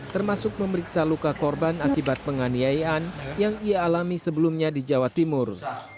termasuk memeriksa luka korban akibat penganiayaan yang ia alami sebelumnya di jawa timur